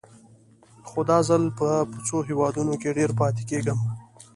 خو دا ځل به په څو هېوادونو کې ډېر پاتې کېږم.